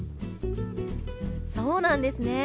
そうなんですね。